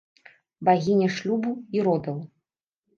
Багіня шлюбу і родаў.